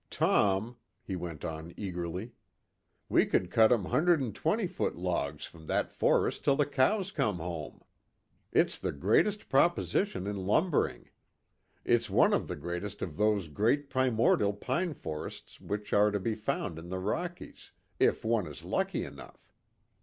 Tom," he went on eagerly, "we could cut 'em hundred and twenty foot logs from that forest till the cows come home. It's the greatest proposition in lumbering. It's one of the greatest of those great primordial pine forests which are to be found in the Rockies, if one is lucky enough.